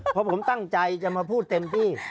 เพราะผมตั้งใจจะมาพูดเต็มที่